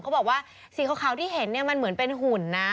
เขาบอกว่าสีขาวที่เห็นเนี่ยมันเหมือนเป็นหุ่นนะ